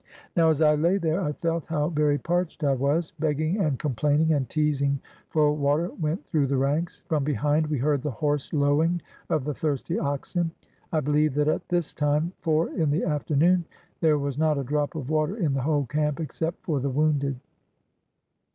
Now as I lay there I felt how very parched I was. Begging and complaining and teasing for water went through the ranks. From behind we heard the hoarse lowing of the thirsty oxen. I believe that at this time, four in the afternoon, there was not a drop of water in the whole camp except for the wounded.